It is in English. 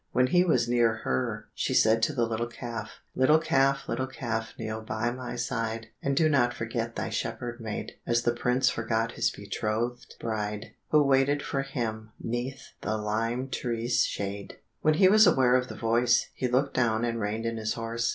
When he was near her she said to the little calf, "Little calf, little calf, kneel by my side, And do not forget thy shepherd maid, As the prince forgot his betrothed bride, Who waited for him 'neath the lime tree's shade." When he was aware of the voice, he looked down and reined in his horse.